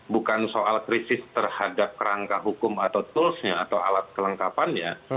bukan soal krisis terhadap rangka hukum atau tools nya atau alat kelengkapannya